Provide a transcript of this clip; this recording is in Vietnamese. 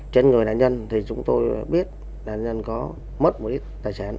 trên người nạn nhân thì chúng tôi biết nạn nhân có mất một ít tài sản